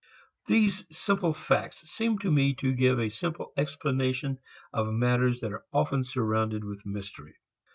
These simple facts seem to me to give a simple explanation of matters that are often surrounded with mystery.